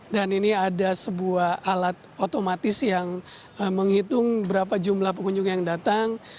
dan ini ada sebuah alat otomatis yang menghitung berapa jumlah pengunjung yang datang